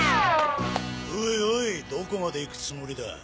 おいおいどこまで行くつもりだ？